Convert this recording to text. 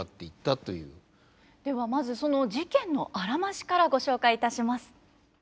ではまずその事件のあらましからご紹介いたします。